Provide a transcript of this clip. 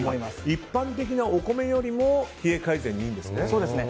一般的なお米よりも冷え改善にいいんですね。